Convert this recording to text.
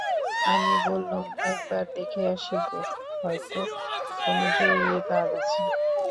আমি বললুম, একবার দেখে আসি গে, হয়তো কোনো জরুরি কাজ আছে।